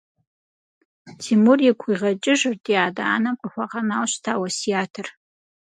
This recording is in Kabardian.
Тимур игу къигъэкӏыжырт и адэ-анэм къыхуагъэнауэ щыта уэсятыр.